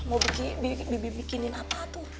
mau bibi bikinin apa tuh